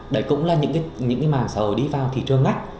đấy cũng là những cái mạng xã hội đi vào thị trường ngách